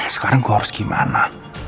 sekarang gua harus gimana